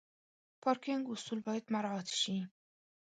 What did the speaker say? پارکینګ اصول باید مراعت شي.